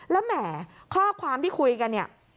แล้วแหมข้อความที่คุยกัน